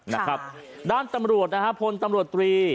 น้ำตำรวจพลตำรวจ๓